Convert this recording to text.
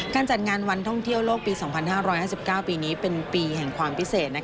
จัดงานวันท่องเที่ยวโลกปี๒๕๕๙ปีนี้เป็นปีแห่งความพิเศษ